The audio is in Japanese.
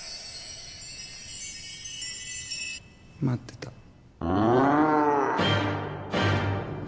待ってた。